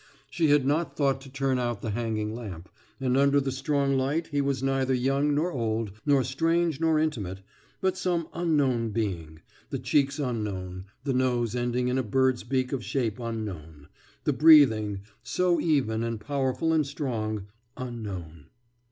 She had not thought to turn out the hanging lamp, and under the strong light he was neither young nor old nor strange nor intimate, but some unknown being the cheeks unknown, the nose ending in a bird's beak of shape unknown, the breathing, so even and powerful and strong, unknown.